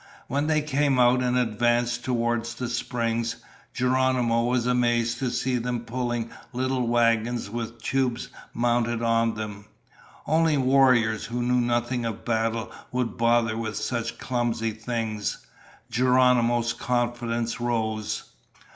When they came out and advanced toward the springs, Geronimo was amazed to see them pulling little wagons with tubes mounted on them. Only warriors who knew nothing of battle would bother with such clumsy things. Geronimo's confidence rose.